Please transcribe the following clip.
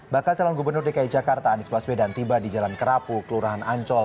bakal calon gubernur dki jakarta anies baswedan tiba di jalan kerapu kelurahan ancol